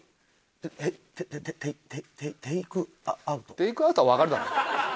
テイクアウトは分かるだろ。